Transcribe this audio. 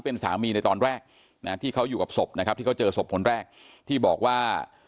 เป็นสามีในตอนแรกนะที่เขาอยู่กับศพนะครับที่เขาเจอศพคนแรกที่บอกว่า